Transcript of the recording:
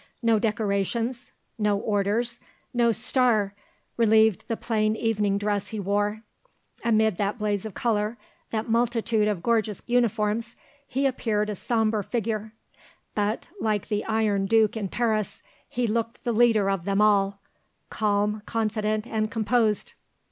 No decorations, no orders, no star relieved the plain evening dress he wore. Amid that blaze of colour, that multitude of gorgeous uniforms, he appeared a sombre figure; but, like the Iron Duke in Paris, he looked the leader of them all, calm, confident, and composed.